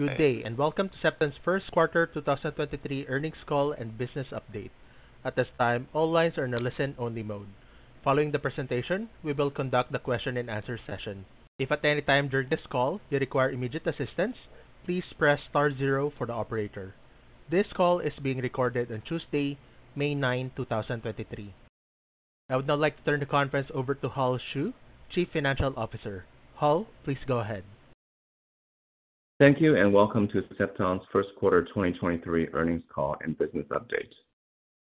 Good day, welcome to Cepton's first quarter earnings call and business update. At this time, all lines are in a listen-only mode. Following the presentation, we will conduct the question and answer session. If at any time during this call you require immediate assistance, please press star 0 for the operator. This call is being recorded on Tuesday, May 9, 2023. I would now like to turn the conference over to Hull Xu, Chief Financial Officer. Hull, please go ahead. Thank you, welcome to Cepton's first quarter 2023 earnings call and business update.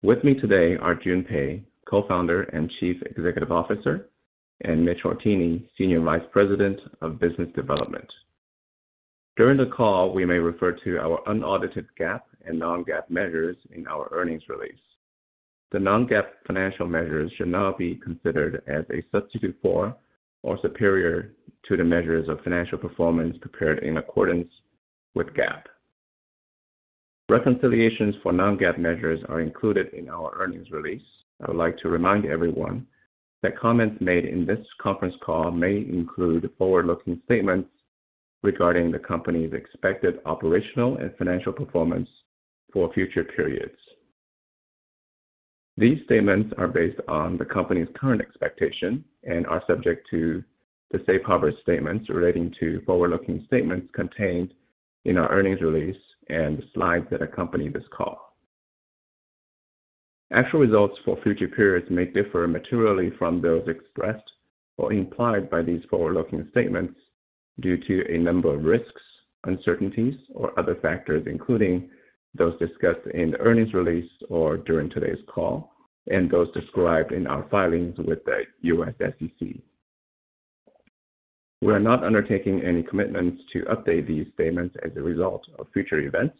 With me today are Jun Pei, Co-founder and Chief Executive Officer, and Mitch Hourtienne, Senior Vice President of Business Development. During the call, we may refer to our unaudited GAAP and non-GAAP measures in our earnings release. The non-GAAP financial measures should not be considered as a substitute for or superior to the measures of financial performance prepared in accordance with GAAP. Reconciliations for non-GAAP measures are included in our earnings release. I would like to remind everyone that comments made in this conference call may include forward-looking statements regarding the company's expected operational and financial performance for future periods. These statements are based on the company's current expectation and are subject to the safe harbor statements relating to forward-looking statements contained in our earnings release and the slides that accompany this call. Actual results for future periods may differ materially from those expressed or implied by these forward-looking statements due to a number of risks, uncertainties, or other factors, including those discussed in the earnings release or during today's call and those described in our filings with the US SEC. We are not undertaking any commitments to update these statements as a result of future events,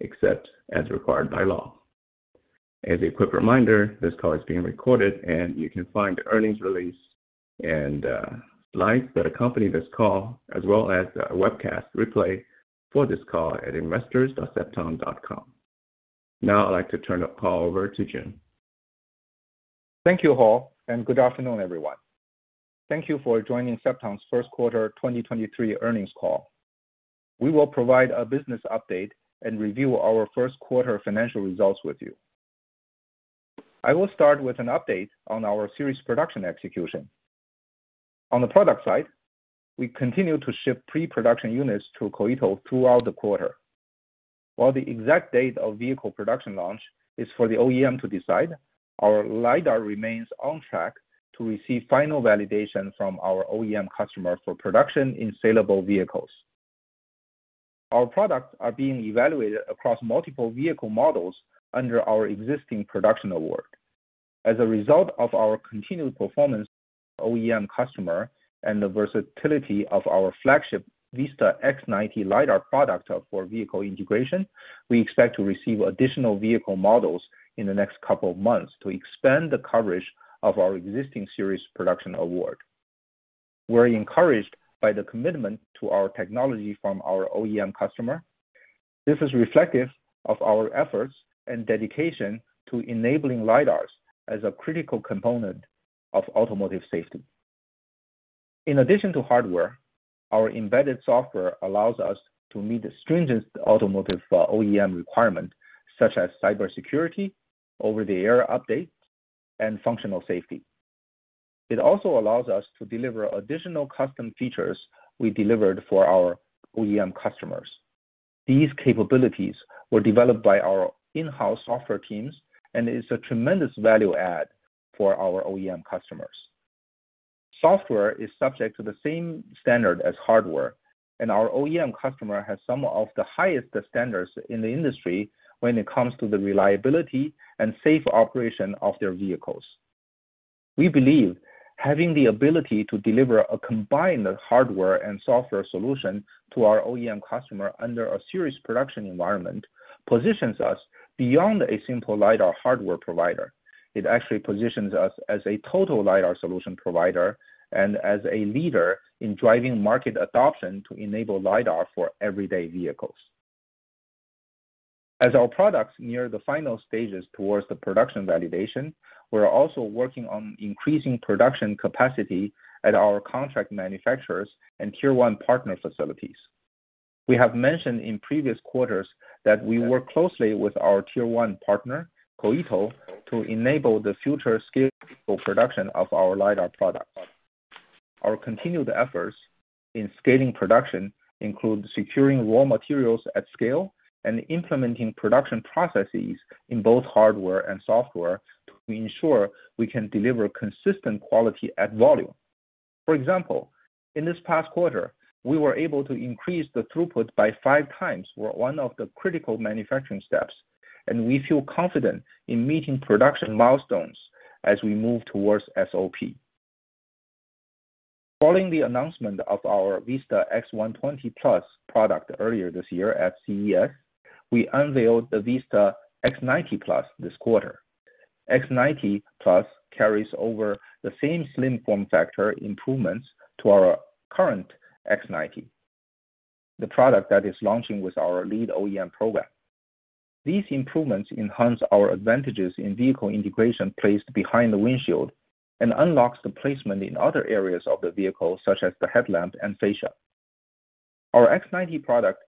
except as required by law. As a quick reminder, this call is being recorded, and you can find the earnings release and slides that accompany this call as well as our webcast replay for this call at investors.cepton.com. Now I'd like to turn the call over to Jun. Thank you, Hull. Good afternoon, everyone. Thank you for joining Cepton's first quarter 2023 earnings call. We will provide a business update and review our first quarter financial results with you. I will start with an update on our series production execution. On the product side, we continue to ship pre-production units to Koito throughout the quarter. While the exact date of vehicle production launch is for the OEM to decide, our lidar remains on track to receive final validation from our OEM customer for production in saleable vehicles. Our products are being evaluated across multiple vehicle models under our existing production award. As a result of our continued performance with our OEM customer and the versatility of our flagship Vista-X90 lidar product for vehicle integration, we expect to receive additional vehicle models in the next couple of months to expand the coverage of our existing series production award. We're encouraged by the commitment to our technology from our OEM customer. This is reflective of our efforts and dedication to enabling lidars as a critical component of automotive safety. In addition to hardware, our embedded software allows us to meet the stringent automotive OEM requirement, such as cybersecurity, over-the-air update, and functional safety. It also allows us to deliver additional custom features we delivered for our OEM customers. These capabilities were developed by our in-house software teams and is a tremendous value add for our OEM customers. Software is subject to the same standard as hardware, and our OEM customer has some of the highest standards in the industry when it comes to the reliability and safe operation of their vehicles. We believe having the ability to deliver a combined hardware and software solution to our OEM customer under a series production environment positions us beyond a simple lidar hardware provider. It actually positions us as a total lidar solution provider and as a leader in driving market adoption to enable lidar for everyday vehicles. As our products near the final stages towards the production validation, we're also working on increasing production capacity at our contract manufacturers and Tier 1 partner facilities. We have mentioned in previous quarters that we work closely with our Tier 1 partner, Koito, to enable the future scalable production of our lidar products. Our continued efforts in scaling production include securing raw materials at scale and implementing production processes in both hardware and software to ensure we can deliver consistent quality at volume. For example, in this past quarter, we were able to increase the throughput by five times for one of the critical manufacturing steps, and we feel confident in meeting production milestones as we move towards SOP. Following the announcement of our Vista-X120 Plus product earlier this year at CES, we unveiled the Vista-X90 Plus this quarter. Vista-X90 Plus carries over the same slim form factor improvements to our current Vista-X90, the product that is launching with our lead OEM program. These improvements enhance our advantages in vehicle integration placed behind the windshield and unlocks the placement in other areas of the vehicle, such as the headlamp and fascia. Our Vista-X90 product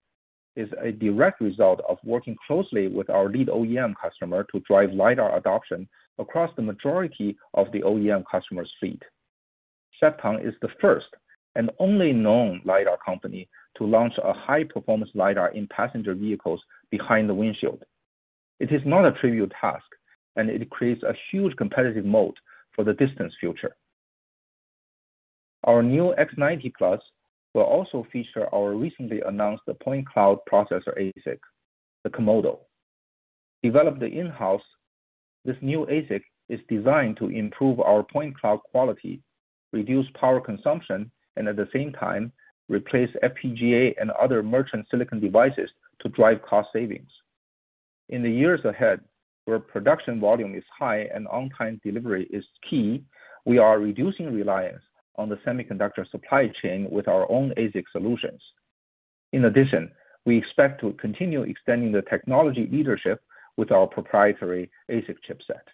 is a direct result of working closely with our lead OEM customer to drive lidar adoption across the majority of the OEM customer's fleet. Cepton is the first and only known lidar company to launch a high-performance lidar in passenger vehicles behind the windshield. It is not a trivial task, and it creates a huge competitive moat for the distance future. Our new Vista-X90 Plus will also feature our recently announced point cloud processor ASIC, the Komodo. Developed in-house, this new ASIC is designed to improve our point cloud quality, reduce power consumption, and at the same time, replace FPGA and other merchant silicon devices to drive cost savings. In the years ahead, where production volume is high and on-time delivery is key, we are reducing reliance on the semiconductor supply chain with our own ASIC solutions. We expect to continue extending the technology leadership with our proprietary ASIC chipset.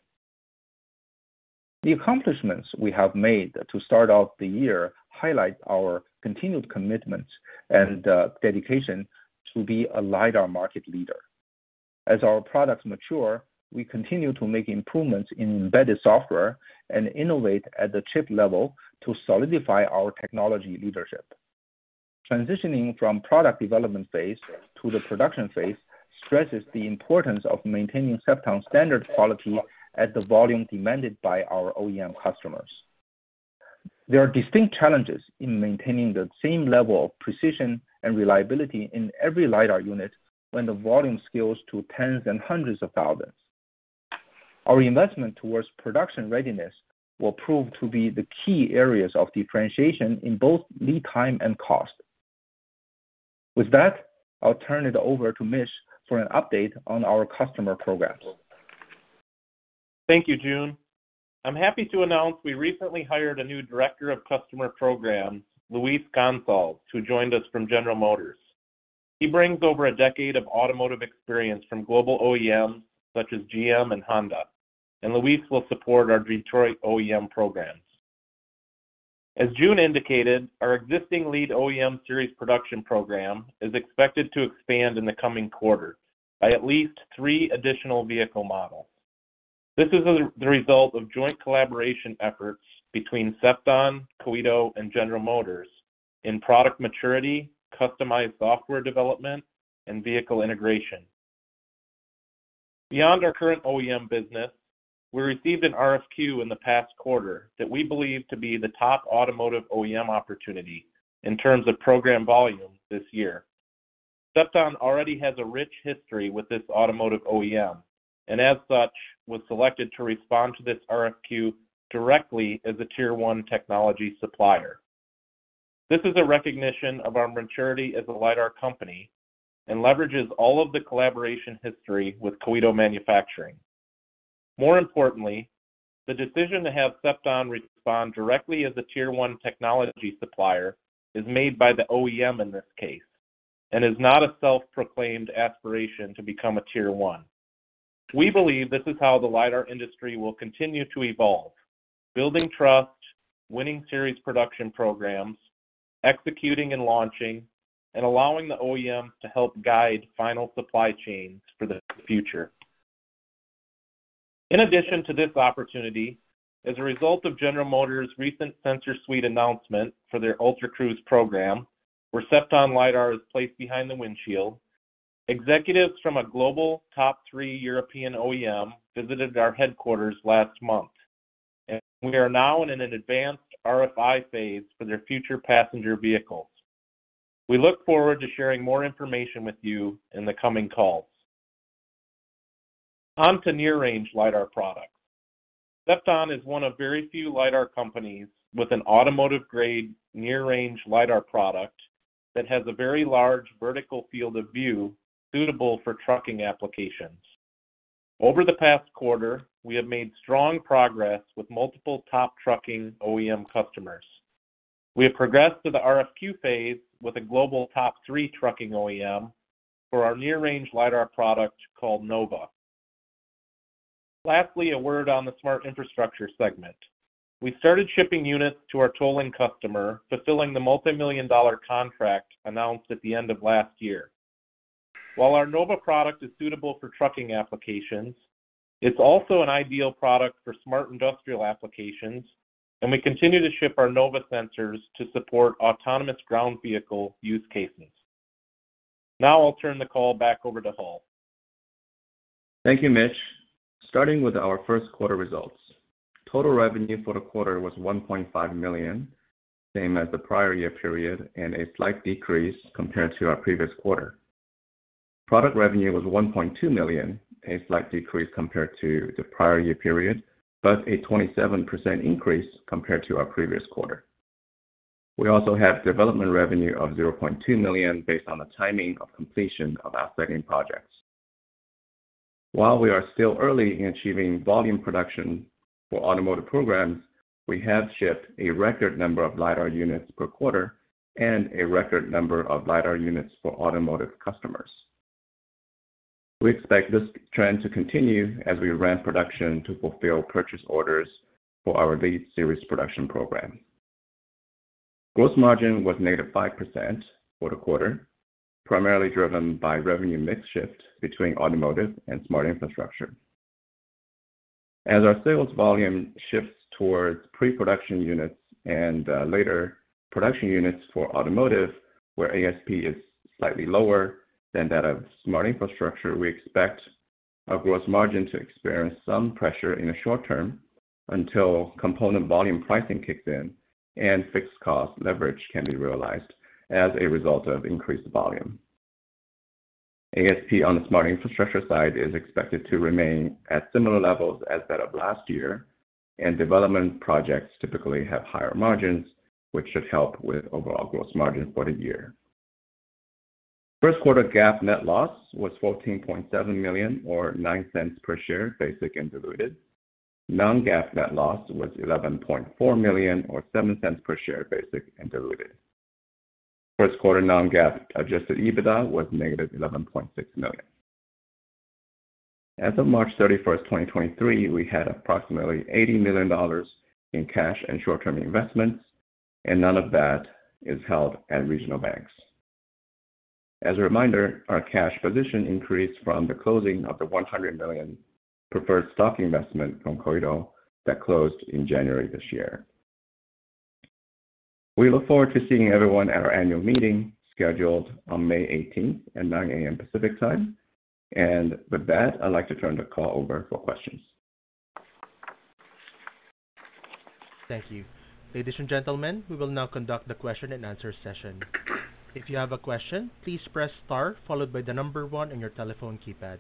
The accomplishments we have made to start out the year highlight our continued commitment and dedication to be a lidar market leader. As our products mature, we continue to make improvements in embedded software and innovate at the chip level to solidify our technology leadership. Transitioning from product development phase to the production phase stresses the importance of maintaining Cepton's standard quality at the volume demanded by our OEM customers. There are distinct challenges in maintaining the same level of precision and reliability in every lidar unit when the volume scales to tens and hundreds of thousands. Our investment towards production readiness will prove to be the key areas of differentiation in both lead time and cost. With that, I'll turn it over to Mitch for an update on our customer programs. Thank you, Jun. I'm happy to announce we recently hired a new director of customer programs, Luis Gonçalves, who joined us from General Motors. He brings over a decade of automotive experience from global OEMs such as GM and Honda. Luis will support our Detroit OEM programs. As Jun indicated, our existing lead OEM series production program is expected to expand in the coming quarter by at least 3 additional vehicle models. This is the result of joint collaboration efforts between Cepton, Koito, and General Motors in product maturity, customized software development, and vehicle integration. Beyond our current OEM business, we received an RFQ in the past quarter that we believe to be the top automotive OEM opportunity in terms of program volume this year. Cepton already has a rich history with this automotive OEM, and as such, was selected to respond to this RFQ directly as a tier one technology supplier. This is a recognition of our maturity as a lidar company and leverages all of the collaboration history with Koito Manufacturing. More importantly, the decision to have Cepton respond directly as a tier one technology supplier is made by the OEM in this case and is not a self-proclaimed aspiration to become a tier one. We believe this is how the lidar industry will continue to evolve, building trust, winning series production programs, executing and launching, and allowing the OEM to help guide final supply chains for the future. In addition to this opportunity, as a result of General Motors' recent sensor suite announcement for their Ultra Cruise program, where Cepton lidar is placed behind the windshield, executives from a global top 3 European OEM visited our headquarters last month. We are now in an advanced RFI phase for their future passenger vehicles. We look forward to sharing more information with you in the coming calls. On to near-range lidar products. Cepton is one of very few lidar companies with an automotive-grade near-range lidar product that has a very large vertical field of view suitable for trucking applications. Over the past quarter, we have made strong progress with multiple top trucking OEM customers. We have progressed to the RFQ phase with a global top 3 trucking OEM for our near-range lidar product called Nova. Lastly, a word on the smart infrastructure segment. We started shipping units to our tolling customer, fulfilling the multimillion-dollar contract announced at the end of last year. While our Nova product is suitable for trucking applications, it's also an ideal product for smart industrial applications, and we continue to ship our Nova sensors to support autonomous ground vehicle use cases. Now, I'll turn the call back over to Hull. Thank you, Mitch. Starting with our first quarter results. Total revenue for the quarter was $1.5 million, same as the prior year period and a slight decrease compared to our previous quarter. Product revenue was $1.2 million, a slight decrease compared to the prior year period, but a 27% increase compared to our previous quarter. We also have development revenue of $0.2 million based on the timing of completion of our segment projects. While we are still early in achieving volume production for automotive programs, we have shipped a record number of lidar units per quarter and a record number of lidar units for automotive customers. We expect this trend to continue as we ramp production to fulfill purchase orders for our lead series production program. Gross margin was negative 5% for the quarter, primarily driven by revenue mix shift between automotive and smart infrastructure. As our sales volume shifts towards pre-production units and later production units for automotive, where ASP is slightly lower than that of smart infrastructure, we expect our gross margin to experience some pressure in the short term until component volume pricing kicks in and fixed cost leverage can be realized as a result of increased volume. ASP on the smart infrastructure side is expected to remain at similar levels as that of last year, and development projects typically have higher margins, which should help with overall gross margin for the year. First quarter GAAP net loss was $14.7 million or $0.09 per share, basic and diluted. Non-GAAP net loss was $11.4 million or $0.07 per share, basic and diluted. First quarter non-GAAP adjusted EBITDA was negative $11.6 million. As of March 31st, 2023, we had approximately $80 million in cash and short-term investments, and none of that is held at regional banks. As a reminder, our cash position increased from the closing of the $100 million preferred stock investment from Koito that closed in January this year. We look forward to seeing everyone at our annual meeting scheduled on May 18th at 9:00 A.M. Pacific Time. With that, I'd like to turn the call over for questions. Thank you. Ladies and gentlemen, we will now conduct the question and answer session. If you have a question, please press star followed by the number one on your telephone keypad.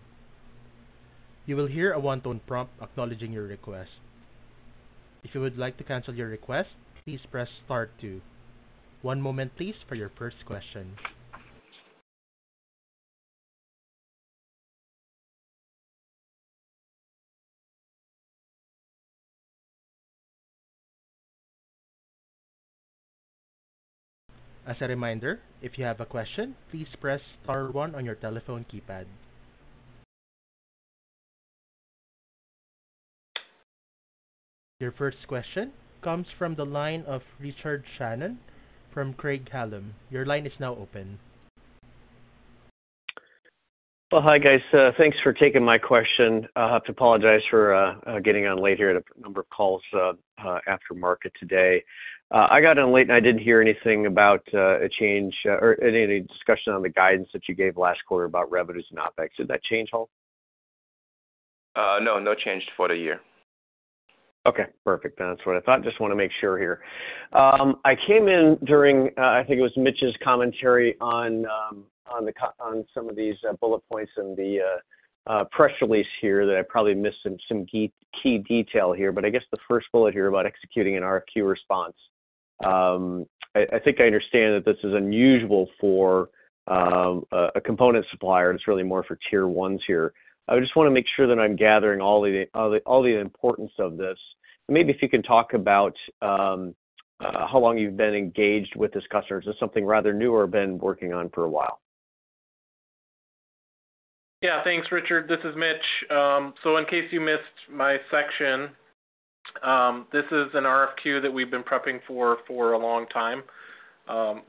You will hear a one-tone prompt acknowledging your request. If you would like to cancel your request, please press star two. One moment please for your first question. As a reminder, if you have a question, please press star one on your telephone keypad. Your first question comes from the line of Richard Shannon from Craig-Hallum. Your line is now open. Well, hi, guys. Thanks for taking my question. I'll have to apologize for getting on late here. I had a number of calls after market today. I got on late, and I didn't hear anything about a change or any discussion on the guidance that you gave last quarter about revenues and OpEx. Did that change, Hull? No. No change for the year. Okay, perfect. That's what I thought. Just want to make sure here. I came in during, I think it was Mitch's commentary on some of these bullet points in the press release here that I probably missed some key detail here. I guess the first bullet here about executing an RFQ response. I think I understand that this is unusual for a component supplier. It's really more for Tier 1s here. I just want to make sure that I'm gathering all the importance of this. Maybe if you can talk about how long you've been engaged with this customer. Is this something rather new or been working on for a while? Yeah. Thanks, Richard. This is Mitch. In case you missed my section, this is an RFQ that we've been prepping for for a long time.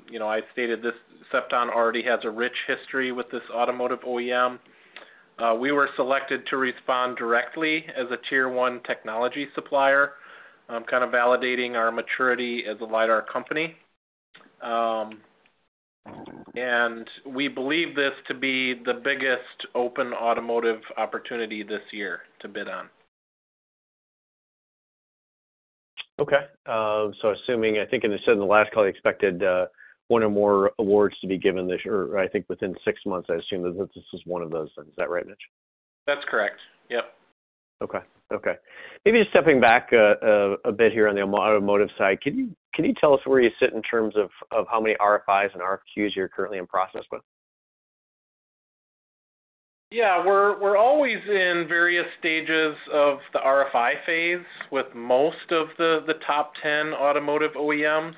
You know, I stated this, Cepton already has a rich history with this automotive OEM. We were selected to respond directly as a tier one technology supplier, kind of validating our maturity as a lidar company. We believe this to be the biggest open automotive opportunity this year to bid on. Okay. Assuming, I think, and it said in the last call you expected, 1 or more awards to be given this year or I think within 6 months. I assume that this is 1 of those then. Is that right, Mitch? That's correct. Yep. Okay. Okay. Maybe just stepping back a bit here on the automotive side, can you tell us where you sit in terms of how many RFIs and RFQs you're currently in process with? Yeah. We're always in various stages of the RFI phase with most of the top 10 automotive OEMs.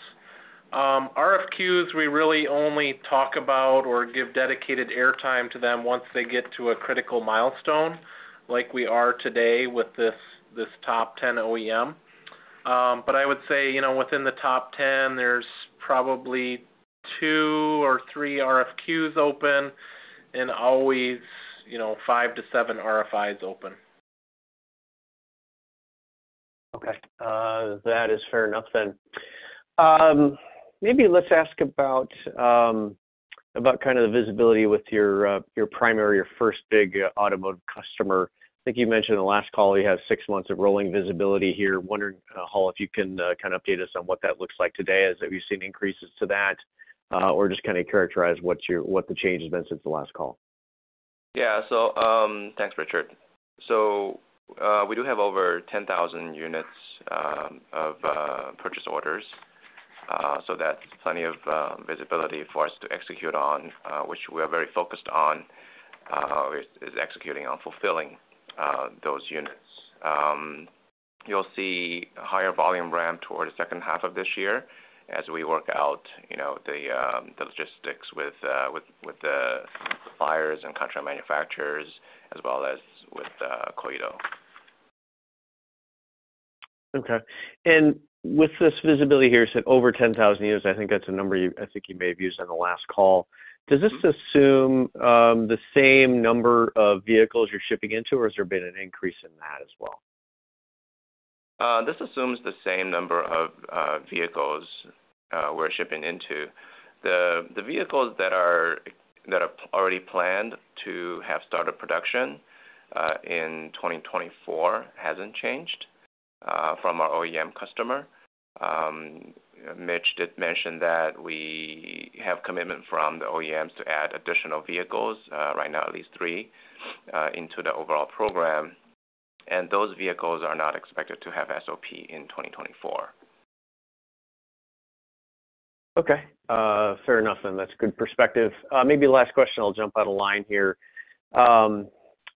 RFQs, we really only talk about or give dedicated airtime to them once they get to a critical milestone like we are today with this top 10 OEM. I would say, you know, within the top 10 there's probably two or three RFQs open and always, you know, five to seven RFIs open. Okay. That is fair enough then. Maybe let's ask about kind of the visibility with your primary, your first big automotive customer. I think you mentioned in the last call you have 6 months of rolling visibility here. Wondering, Hull, if you can kind of update us on what that looks like today. Have you seen increases to that, or just kind of characterize what the change has been since the last call? Yeah. Thanks, Richard. We do have over 10,000 units, of, purchase orders. That's plenty of visibility for us to execute on, which we are very focused on, is executing on fulfilling those units. You'll see higher volume ramp towards the second half of this year as we work out, you know, the logistics with the suppliers and contract manufacturers as well as with Koito. Okay. With this visibility here, you said over 10,000 units, I think that's a number you may have used on the last call. Does this assume the same number of vehicles you're shipping into, or has there been an increase in that as well? This assumes the same number of vehicles we're shipping into. The vehicles that are already planned to have started production in 2024 hasn't changed from our OEM customer. Mitch did mention that we have commitment from the OEMs to add additional vehicles, right now at least 3, into the overall program. Those vehicles are not expected to have SOP in 2024. Okay. fair enough, and that's good perspective. maybe last question, I'll jump out of line here. on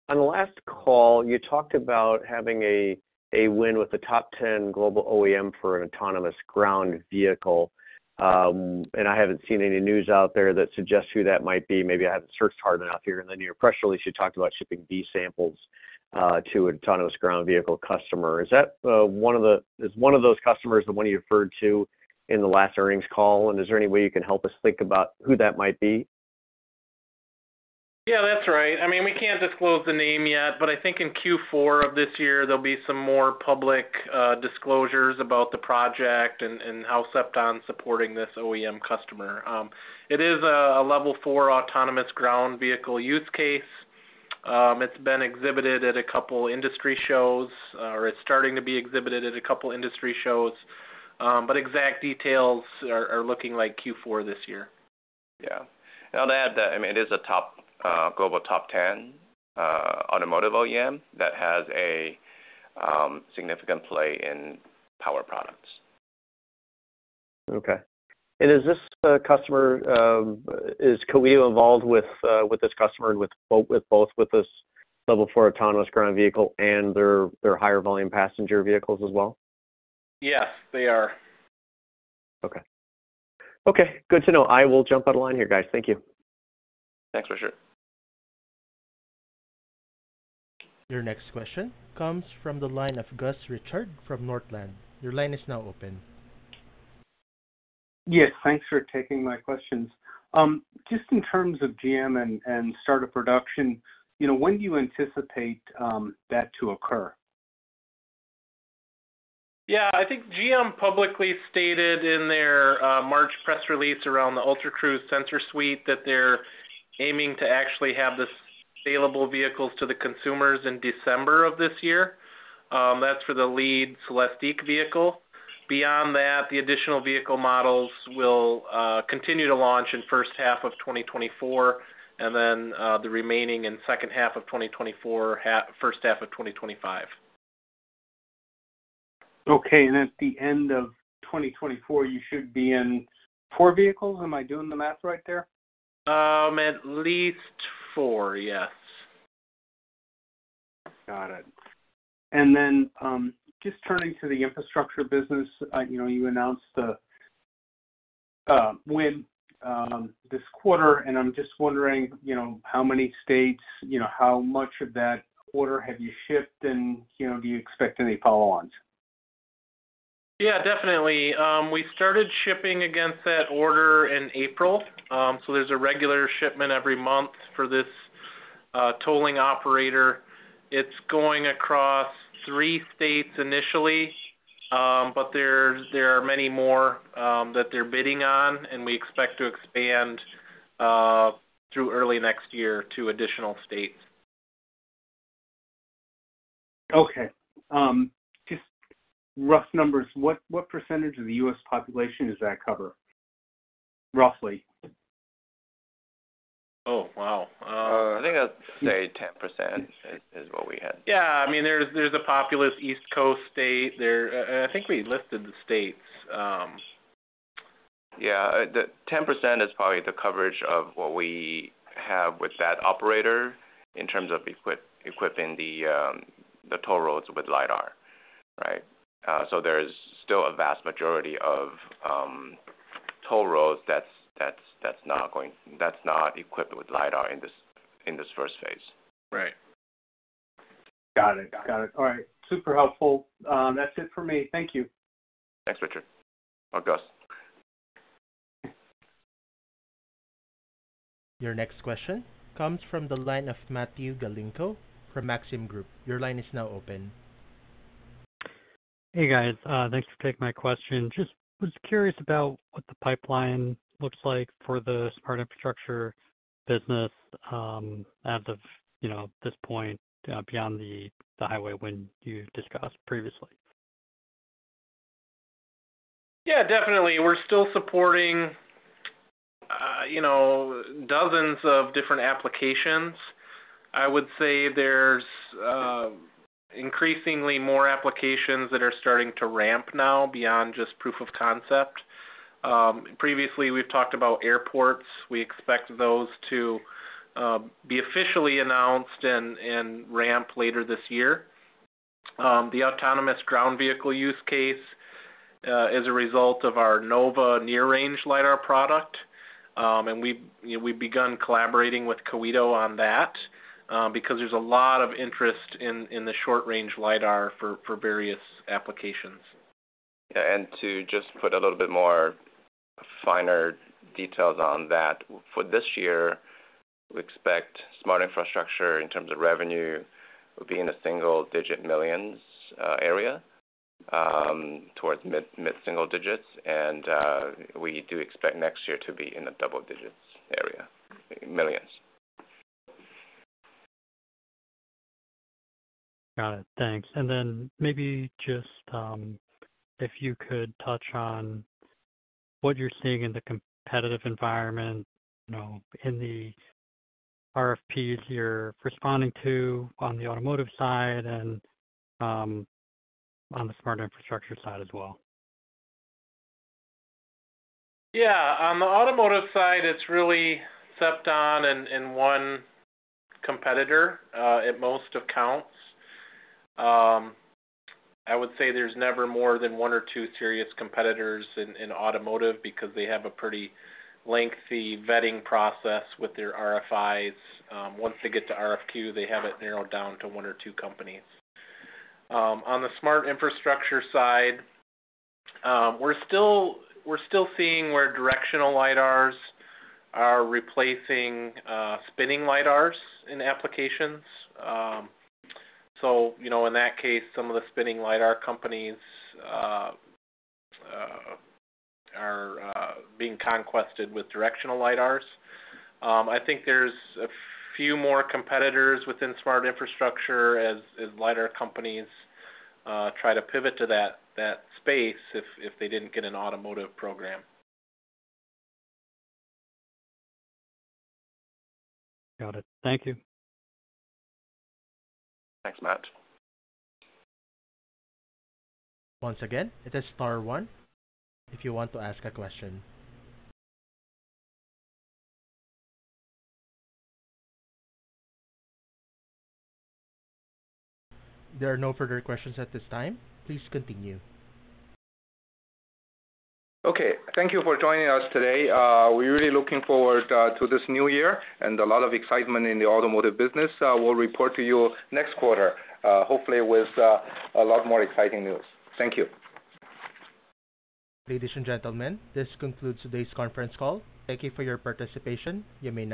the last call, you talked about having a win with the top 10 global OEM for an autonomous ground vehicle. I haven't seen any news out there that suggests who that might be. Maybe I haven't searched hard enough here. In the near press release, you talked about shipping these samples, to autonomous ground vehicle customer. Is that, Is one of those customers the one you referred to in the last earnings call? Is there any way you can help us think about who that might be? Yeah, that's right. I mean, we can't disclose the name yet, but I think in Q4 of this year, there'll be some more public disclosures about the project and how Cepton supporting this OEM customer. It is a level four autonomous ground vehicle use case. It's been exhibited at a couple industry shows, or it's starting to be exhibited at a couple industry shows, but exact details are looking like Q4 this year. Yeah. I'll add that, I mean, it is a top, global top 10, automotive OEM that has a significant play in power products. Okay. Is this customer, is Koito involved with this customer with both this level 4 autonomous ground vehicle and their higher volume passenger vehicles as well? Yes, they are. Okay. Okay, good to know. I will jump out of line here, guys. Thank you. Thanks, Richard. Your next question comes from the line of Gus Richard from Northland. Your line is now open. Yes. Thanks for taking my questions. Just in terms of GM and start a production, you know, when do you anticipate that to occur? Yeah. I think GM publicly stated in their March press release around the Ultra Cruise sensor suite that they're aiming to actually have this salable vehicles to the consumers in December of this year. That's for the lead CELESTIQ vehicle. Beyond that, the additional vehicle models will continue to launch in first half of 2024, and then, the remaining in second half of 2024, first half of 2025. Okay. At the end of 2024, you should be in four vehicles. Am I doing the math right there? At least four, yes. Got it. Just turning to the infrastructure business, you know, you announced the win this quarter, and I'm just wondering, you know, how many states, you know, how much of that order have you shipped and, you know, do you expect any follow-ons? Yeah, definitely. We started shipping against that order in April. There's a regular shipment every month for this tolling operator. It's going across three states initially, but there are many more that they're bidding on, and we expect to expand through early next year to additional states. Okay. just rough numbers, what % of the US population does that cover, roughly? Oh, wow. I think I'd say 10% is what we had. Yeah. I mean, there's a populous East Coast state there. I think we listed the states. Yeah. The 10% is probably the coverage of what we have with that operator in terms of equipping the toll roads with lidar, right? There is still a vast majority of toll roads that's not equipped with lidar in this, in this first phase. Right. Got it. All right. Super helpful. That's it for me. Thank you. Thanks, Richard. Bye, Gus. Your next question comes from the line of Matthew Galinko from Maxim Group. Your line is now open. Hey, guys. thanks for taking my question. Just was curious about what the pipeline looks like for the smart infrastructure business, as of, you know, this point, beyond the highway win you discussed previously. Definitely. We're still supporting, you know, dozens of different applications. I would say there's increasingly more applications that are starting to ramp now beyond just proof of concept. Previously, we've talked about airports. We expect those to be officially announced and ramp later this year. The autonomous ground vehicle use case is a result of our Nova near-range lidar product. We've, you know, we've begun collaborating with Koito on that, because there's a lot of interest in the short-range lidar for various applications. To just put a little bit more finer details on that. For this year, we expect smart infrastructure in terms of revenue will be in the single-digit $ millions area, towards mid-single digits. We do expect next year to be in the double-digits area, $ millions. Got it. Thanks. Maybe just, if you could touch on what you're seeing in the competitive environment, you know, in the RFPs you're responding to on the automotive side and, on the smart infrastructure side as well. Yeah. On the automotive side, it's really Cepton and one competitor at most accounts. I would say there's never more than one or two serious competitors in automotive because they have a pretty lengthy vetting process with their RFIs. Once they get to RFQ, they have it narrowed down to one or two companies. On the smart infrastructure side, we're still seeing where directional lidars are replacing spinning lidars in applications. You know, in that case, some of the spinning lidar companies are being conquested with directional lidars. I think there's a few more competitors within smart infrastructure as lidar companies try to pivot to that space if they didn't get an automotive program. Got it. Thank you. Thanks, Matt. Once again, it is star one if you want to ask a question. There are no further questions at this time. Please continue. Okay. Thank you for joining us today. We're really looking forward to this new year and a lot of excitement in the automotive business. We'll report to you next quarter, hopefully with a lot more exciting news. Thank you. Ladies and gentlemen, this concludes today's conference call. Thank you for your participation. You may now disconnect.